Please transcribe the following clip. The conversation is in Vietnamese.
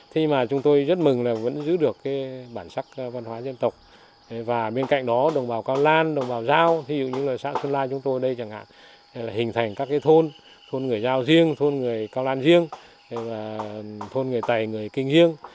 hình thành các cái thôn thôn người giao riêng thôn người cao lan riêng thôn người tày người kinh riêng